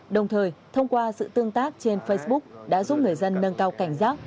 đồng thời thông qua sự tương tác trên facebook đã giúp người dân nâng cao cảnh giác